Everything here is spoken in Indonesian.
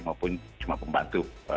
maupun cuma pembantu